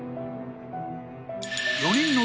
［４人の］